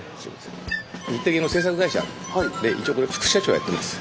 日テレ系の制作会社で一応副社長やってます。